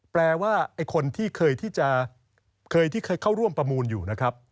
แปลว่าคนที่เคยที่เข้าร่วมประมูลอยู่นะครับ